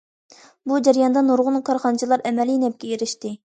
بۇ جەرياندا نۇرغۇن كارخانىچىلار ئەمەلىي نەپكە ئېرىشتى.